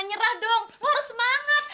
nyerah dong mau harus semangat